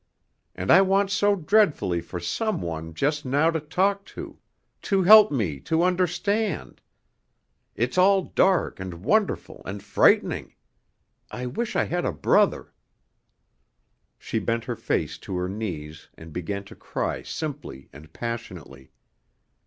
And I want so dreadfully for some one just now to talk to to help me, to understand. It's all dark and wonderful and frightening. I wish I had a brother " She bent her face to her knees and began to cry simply and passionately.